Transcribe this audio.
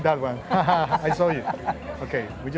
jangan ambil yang itu